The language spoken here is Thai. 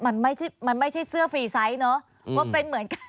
มันไม่ใช่เสื้อฟรีไซซ์ไหมว่าเป็นเหมือนกัน